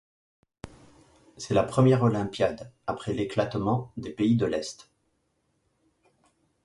C'est la première olympiade après l'éclatement des pays de l'Est.